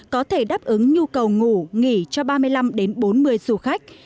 có thể đáp ứng nhu cầu ngủ nghỉ cho ba mươi năm bốn mươi du khách